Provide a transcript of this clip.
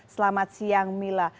selamat siang mila